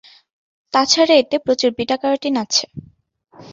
তাছাড়া এতে প্রচুর বিটা-ক্যারোটিন আছে।